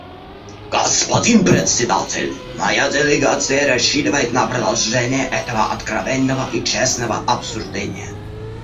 Господин Председатель, моя делегация рассчитывает на продолжение этого откровенного и честного обсуждения.